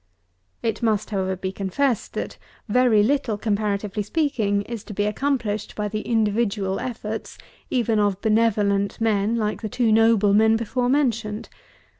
It must, however, be confessed, that very little, comparatively speaking, is to be accomplished by the individual efforts even of benevolent men like the two noblemen before mentioned.